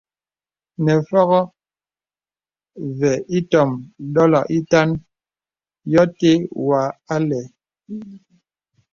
Nə Fògō vì ìtōm dòlo ītàn yô tə̀ wà àlə̄.